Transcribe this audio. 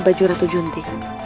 baju ratu junti